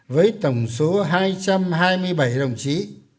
với tổng số hai trăm hai mươi bảy đồng chí